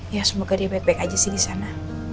ya semoga dia baik baik aja sih di sana